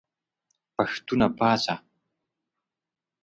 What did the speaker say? پښتونه پاڅه !